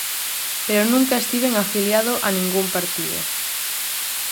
Pero nunca estiven afiliado a ningún partido.